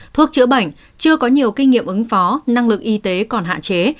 thuốc chữa bệnh chưa có nhiều kinh nghiệm ứng phó năng lực y tế còn hạn chế